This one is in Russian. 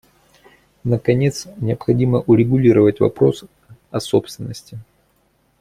Наконец, необходимо урегулировать вопрос о собственности.